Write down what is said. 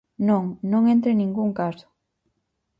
Non, non entra en ningún caso.